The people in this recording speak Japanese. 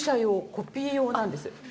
コピー用なんです。